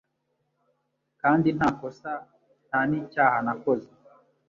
kandi nta kosa nta n’icyaha nakoze